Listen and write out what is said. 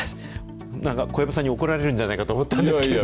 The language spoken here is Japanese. なんか小籔さんに怒られるんじゃないかと思ったんですけど。